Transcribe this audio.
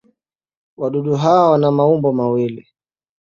Wadudu hawa wana maumbo mawili.